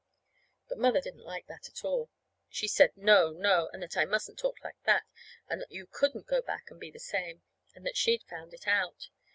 But Mother didn't like that, at all. She said no, no, and that I mustn't talk like that, and that you couldn't go back and be the same. And that she'd found it out.